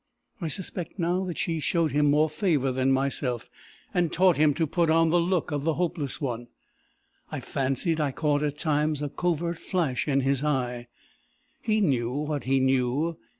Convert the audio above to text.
I suspect now that she showed him more favour than myself, and taught him to put on the look of the hopeless one. I fancied I caught at times a covert flash in his eye: he knew what he knew!